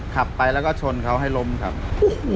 ขับไปแล้วก็ชนเขาให้ล้มครับ